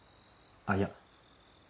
あっいや。